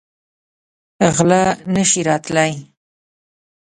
غله نه شي راتلی.